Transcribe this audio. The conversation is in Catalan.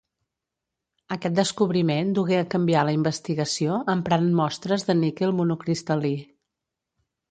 Aquest descobriment dugué a canviar la investigació emprant mostres de níquel monocristal·lí.